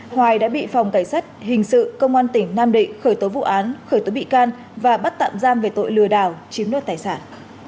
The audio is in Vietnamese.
hoài đã bị phòng cảnh sát hình sự công an tỉnh nam định khởi tố vụ án khởi tố bị can và bắt tạm giam về tội lừa đảo chiếm đoạt tài sản